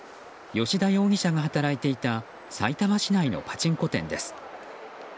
葭田容疑者が働いていたさいたま市内のパチンコ店です。